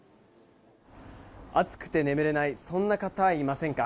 暑くて眠れないそんな方、いませんか？